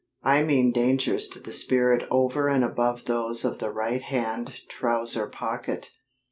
I mean dangers to the spirit over and above those of the right hand trouser pocket.